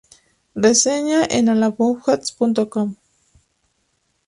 Reseña en allaboutjaz.com